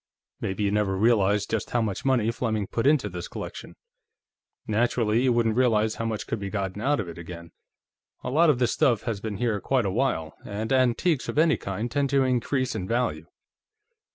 Maybe you never realized just how much money Fleming put into this collection; naturally you wouldn't realize how much could be gotten out of it again. A lot of this stuff has been here for quite a while, and antiques of any kind tend to increase in value."